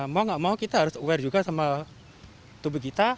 mau gak mau kita harus aware juga sama tubuh kita